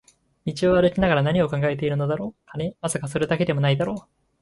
道を歩きながら何を考えているのだろう、金？まさか、それだけでも無いだろう